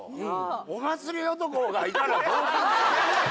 お祭り男が行かなどうする。